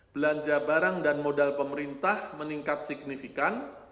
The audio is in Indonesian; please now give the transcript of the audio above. belanja barang dan modal pemerintah meningkat signifikan